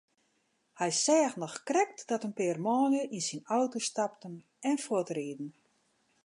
Hy seach noch krekt dat in pear manlju yn syn auto stapten en fuortrieden.